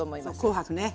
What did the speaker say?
紅白ね。